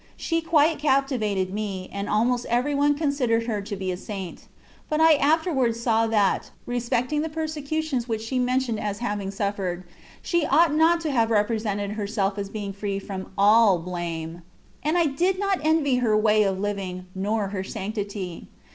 She quite captivated me, and almost every one considered her to be a saint. But I afterwards saw that, respecting the persecutions which she mentioned as having suf fered, she ought not to have represented herself as being free Jrom all blame; and I did not envy her way of living, nor her sanctity.